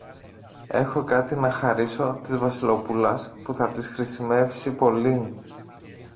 Έχω κάτι να χαρίσω της Βασιλοπούλας που θα της χρησιμεύσει πολύ.